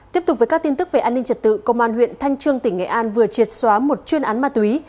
tiếp tục với các tin tức về an ninh trật tự công an huyện thanh trương tỉnh nghệ an vừa triệt xóa một chuyên án ma túy